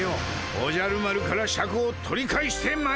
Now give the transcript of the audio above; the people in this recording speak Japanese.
おじゃる丸からシャクを取り返してまいるのじゃ。